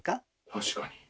確かに。